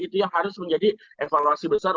itu yang harus menjadi evaluasi besar